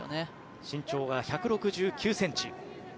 身長が１６９ｃｍ。